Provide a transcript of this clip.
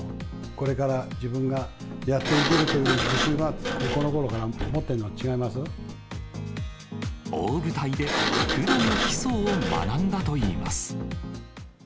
これから自分がやっていけるという自信はこのころから持ってんの大舞台でプロの基礎を学んだといいます。